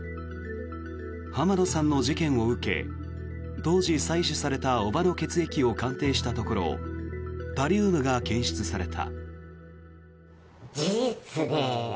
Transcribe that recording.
浜野さんの事件を受け当時、採取された叔母の血液を鑑定したところタリウムが検出された。